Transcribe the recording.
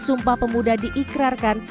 sumpah pemuda diikrarkan